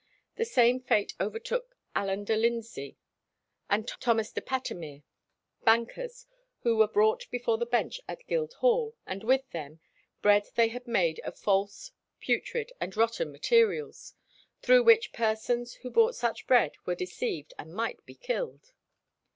The same fate overtook Alan de Lyndeseye and Thomas de Patemere, bankers, who were brought before the bench at Guildhall, and with them "bread they had made of false, putrid, and rotten materials, through which persons who bought such bread were deceived and might be killed."